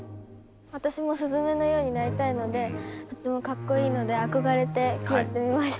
私も鈴芽のようになりたいのでとてもかっこいいので憧れてやってみました。